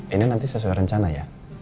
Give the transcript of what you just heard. ini nanti sesuai rencana ya